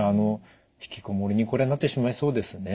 引きこもりにこれはなってしまいそうですよね。